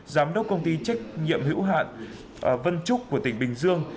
giám đốc công ty trách nhiệm hữu hạn vân trúc của tỉnh bình dương